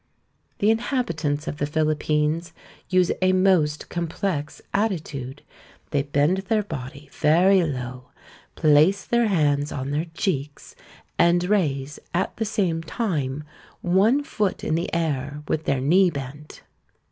The inhabitants of the Philippines use a most complex attitude; they bend their body very low, place their hands on their cheeks, and raise at the same time one foot in the air with their knee bent.